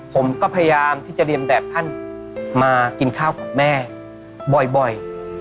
ผมก็พยายามที่จะเรียนแบบท่านมากินข้าวกับแม่บ่อย